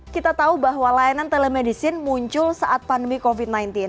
kita tahu bahwa layanan telemedicine muncul saat pandemi covid sembilan belas